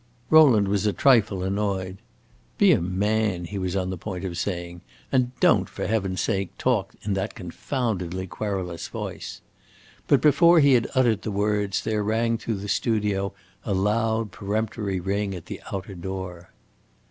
Rowland was a trifle annoyed. "Be a man," he was on the point of saying, "and don't, for heaven's sake, talk in that confoundedly querulous voice." But before he had uttered the words, there rang through the studio a loud, peremptory ring at the outer door.